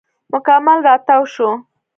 مکمل راتاو شو.